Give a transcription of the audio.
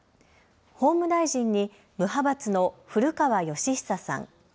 法務大臣に無派閥の古川禎久さん。